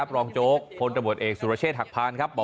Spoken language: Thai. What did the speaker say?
รองโจ๊กพลตำรวจเอกสุรเชษฐหักพานครับ